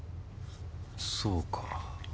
そうか。